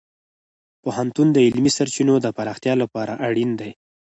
پوهنتون د علمي سرچینو د پراختیا لپاره اړین دی.